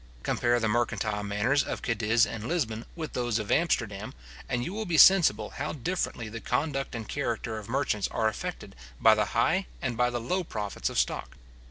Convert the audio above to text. Compare the mercantile manners of Cadiz and Lisbon with those of Amsterdam, and you will be sensible how differently the conduct and character of merchants are affected by the high and by the low profits of stock.